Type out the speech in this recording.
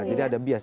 jadi ada bias